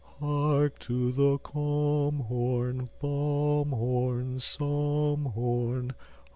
Hark to the calm horn, balm horn, psalm horn.